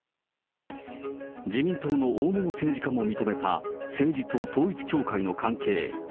自民党の大物政治家も認めた、政治と統一教会の関係。